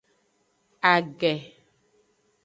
Age.